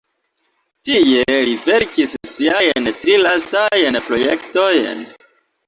Tie li verkis siajn tri lastajn projektojn.